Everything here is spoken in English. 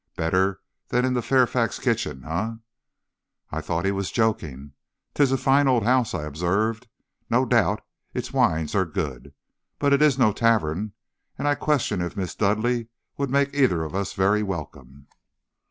Better than in the Fairfax kitchen, eh?' "I thought he was joking. ''Tis a fine old house,' I observed. 'No doubt its wines are good. But it is no tavern, and I question if Miss Dudleigh would make either of us very welcome.'